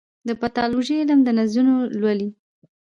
د پیتالوژي علم د نسجونه لولي.